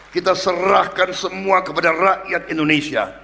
kita serahkan semua kepada rakyat indonesia